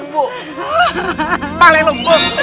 pahalai lo mbok